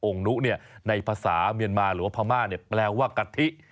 นุในภาษาเมียนมาหรือว่าพม่าแปลว่ากะทิ